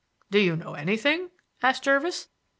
"Do you know anything?" asked Jervis.